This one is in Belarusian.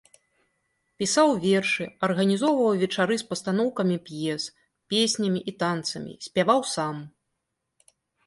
Пісаў вершы, арганізоўваў вечары з пастаноўкамі п'ес, песнямі і танцамі, спяваў сам.